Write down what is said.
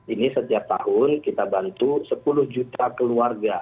ini setiap tahun kita bantu sepuluh juta keluarga